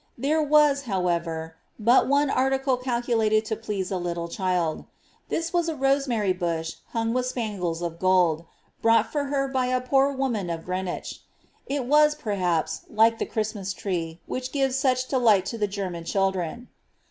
There was, however, but one article calculated to pletae a little child ; this was a rosemary bush hung with spangles of gold, brought for her by a poor woman of Greenwich ; it was, perhaps, like the Christmas tree, which gives such delight to the German children.